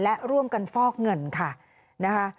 และร่วมกันฟอกเงินค่ะนะคะ